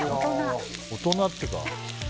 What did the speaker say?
大人ってか。